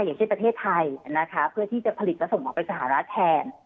อย่างเช่นประเทศไทยนะคะเพื่อที่จะผลิตและส่งออกไปสหรัฐแทน